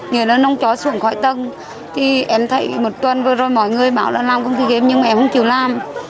nghĩa là nông chó xuống khỏi tầng thì em thấy một tuần vừa rồi mọi người bảo là làm công ty game nhưng mà em không chịu làm